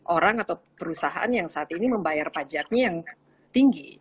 orang atau perusahaan yang saat ini membayar pajaknya yang tinggi